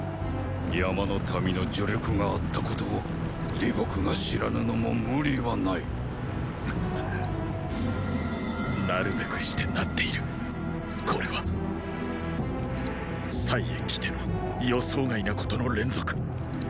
山の民の助力があったことを李牧が知らぬのも無理はないなるべくしてなっているこれは。へ来ての予想外なことの連続。